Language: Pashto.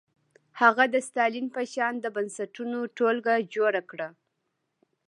هغه د ستالین په شان د بنسټونو ټولګه جوړه کړه.